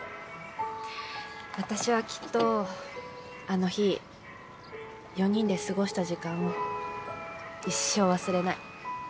私はきっとあの日４人で過ごした時間を一生忘れない。